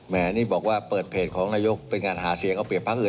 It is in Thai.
นี่บอกว่าเปิดเพจของนายกเป็นงานหาเสียงเอาเปรียบพักอื่น